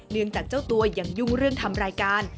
จากเจ้าตัวยังยุ่งเรื่องทำรายการ